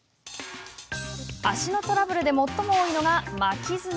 爪のトラブルで最も多いのが巻き爪。